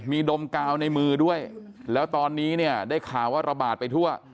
ดมกาวในมือด้วยแล้วตอนนี้เนี่ยได้ข่าวว่าระบาดไปทั่ว